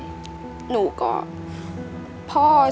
รู้สึกยังไง